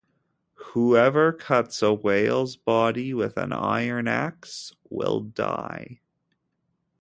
Whoever cuts a whale's body with an iron axe will die.